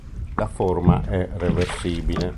La forma è reversibile.